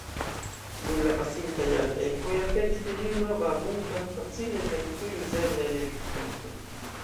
Dum la pasintaj jardekoj aperis neniu nova, abunda, facile kaj tuj uzebla energifonto.